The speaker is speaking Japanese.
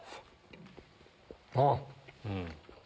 あっ。